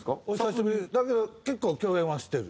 だけど結構共演はしてる。